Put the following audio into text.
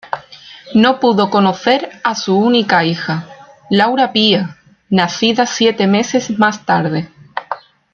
No pudo conocer a su única hija, Laura Pía, nacida siete meses más tarde.